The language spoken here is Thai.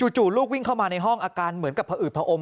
จู่ลูกวิ่งเข้ามาในห้องอาการเหมือนกับผอืดผอม